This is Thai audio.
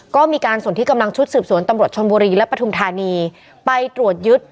ก็มีการส่วนที่กำลังชุดสืบสวนตำรวจชนบุรีและปฐุมธานีไปตรวจยึด